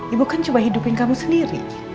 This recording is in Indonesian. ibu kan coba hidupin kamu sendiri